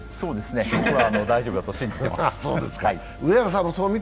僕は大丈夫だと信じてます。